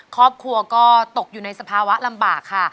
ครอบครัวก็ตกอยู่ในสภาวะลำบากค่ะ